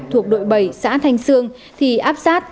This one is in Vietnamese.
thuộc đội bảy xã thanh sương thì áp sát